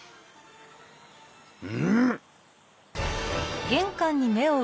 うん！？